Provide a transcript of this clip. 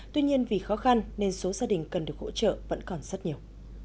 tuy nhiên vì khó khăn nên số gia đình cần được hỗ trợ vẫn còn rất nhiều